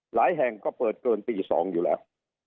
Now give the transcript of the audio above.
หลายแห่งก็เปิดเกินตี๒อยู่แล้ว